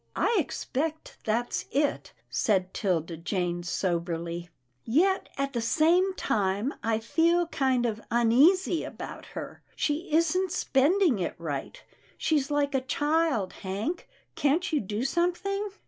" I expect that's it," said 'Tilda Jane, soberly, " yet at the same time I feel kind of uneasy about her. She isn't spending it right. She's like a child, Hank. Can't you do something?"